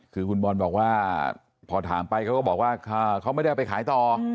คือคุณบอลบอกว่าพอถามไปเขาก็บอกว่าเขาไม่ได้เอาไปขายต่อ